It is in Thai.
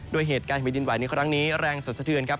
ด้วยเหตุการณ์แผ่นดินไหวในครั้งนี้แรงสันสะเทือนครับ